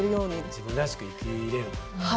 自分らしく生きれる。